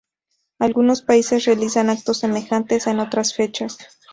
Algunos países realizan actos semejantes en otras fechas.